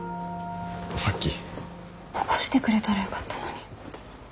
起こしてくれたらよかったのに。